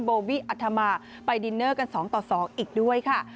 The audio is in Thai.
โบวี่อัธมาไปดินเนอร์กัน๒ต่อ๒อีกด้วยค่ะ